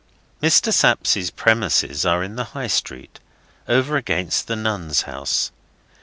Mr. Sapsea's premises are in the High street, over against the Nuns' House.